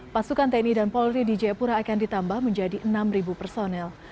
pasukan tni dan polri di jayapura akan ditambah menjadi enam personel